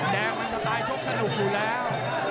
แดงมันสไตลชกสนุกอยู่แล้ว